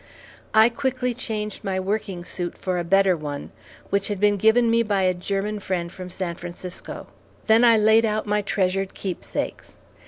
I quickly changed my working suit for a better one, which had been given me by a German friend from San Francisco. Then I laid out my treasured keepsakes.